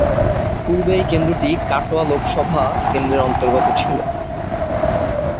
পূর্বে এই কেন্দ্রটি কাটোয়া লোকসভা কেন্দ্রেরঅন্তর্গত।